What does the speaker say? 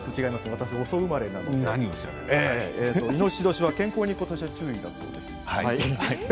私、遅生まれなのでいのしし年は、健康に今年健康に注意だそうです。